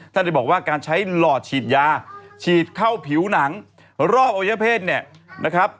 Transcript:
ได้บอกว่าการใช้หลอดฉีดยาฉีดเข้าผิวหนังรอบอวัยเพศเนี่ยนะครับ